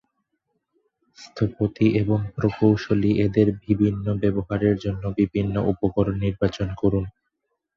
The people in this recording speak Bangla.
স্থপতি এবং প্রকৌশলী এদের বিভিন্ন ব্যবহারের জন্য বিভিন্ন উপকরণ নির্বাচন করুন।